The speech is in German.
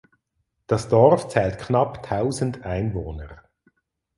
Das Dorf zählt knapp Tausend Einwohner.